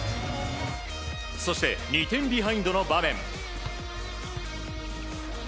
そして、２点ビハインドの場面。